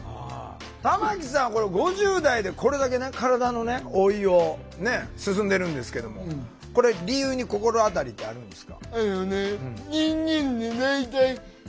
玉木さんこれ５０代でこれだけね体の老いを進んでるんですけどもこれ理由に心当たりってあるんですか？